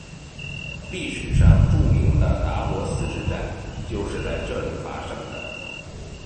历史上著名的怛罗斯之战就是在这里发生的。